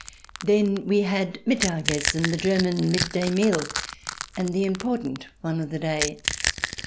Then we had Mittag Essen, the German midday meal, and the important one of the day.